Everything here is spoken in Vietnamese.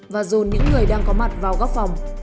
và dồn những người đang có mặt vào góc phòng